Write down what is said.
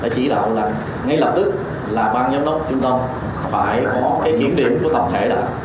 đã chỉ đạo là ngay lập tức là bang giám đốc trung tâm phải có kiểm điểm của tập thể đã